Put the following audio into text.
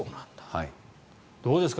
どうですか？